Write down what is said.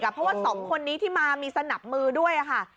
เพราะว่า๒คนนี้ที่มามีสนับมือด้วยค่ะ